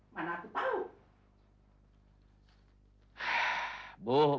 mana aku tahu